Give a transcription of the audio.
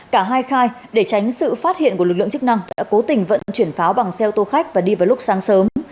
cả hai khai để tránh sự phát hiện của lực lượng chức năng đã cố tình vận chuyển pháo bằng xe ô tô khách và đi vào lúc sáng sớm